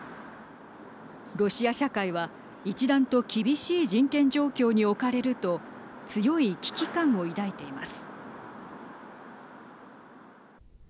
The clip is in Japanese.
ロシア社会は一段と厳しい人権状況に置かれると強い危機感を抱いています。